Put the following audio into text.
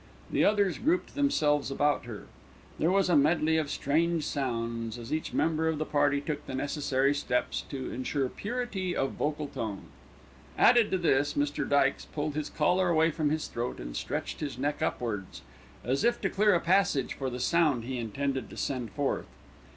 The others grouped themselves about her. There was a medley of strange sounds, as each member of the party took the necessary steps to ensure purity of vocal tone. Added to this, Mr. Dykes pulled his collar away from his throat and stretched his neck upwards, as if to clear a passage for the sound he intended to send forth.